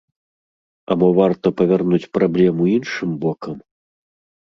А мо варта павярнуць праблему іншым бокам?